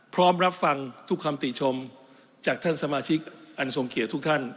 พร้อมรับฟังทุกคำติชมจากท่านสมาชิกอันทรงเกียจทุกท่าน